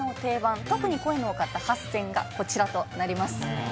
特に声の多かった８選がこちらとなります。